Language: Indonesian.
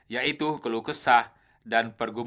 yaitu kelukesah dan pergubungan